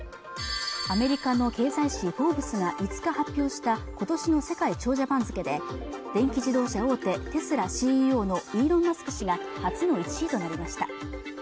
アメリカの経済誌「フォーブス」が５日発表した今年の世界長者番付で電気自動車大手テスラＣＥＯのイーロン・マスク氏が初の１位となりました